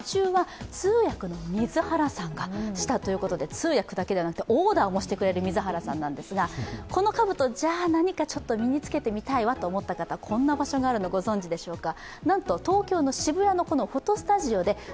通訳だけではなくてオーダーもしてくれる水原さんなんですが、このかぶと、何か身につけてみたいなと思った方、こんな場所があるのをご存じでしょうか。